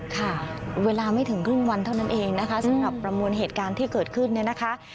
ค่ะเวลาไม่ถึงครึ่งวันเท่านั้นเองนะคะสำหรับประมวลเหตุการณ์ที่เกิดขึ้นเนี่ยนะคะ